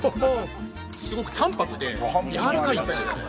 すごく淡泊でやわらかいんですよ。